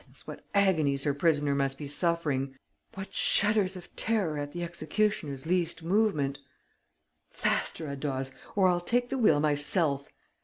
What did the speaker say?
Heavens, what agonies her prisoner must be suffering! What shudders of terror at the executioner's least movement! "Faster, Adolphe, or I'll take the wheel myself!